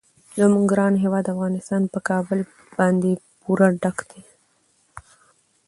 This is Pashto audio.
زموږ ګران هیواد افغانستان په کابل باندې پوره ډک دی.